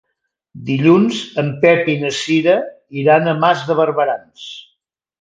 Dilluns en Pep i na Cira iran a Mas de Barberans.